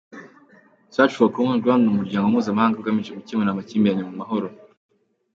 Search for Common Ground ni umuryango mpuzamahanga ugamije gucyemura amakimbirane mu mahoro.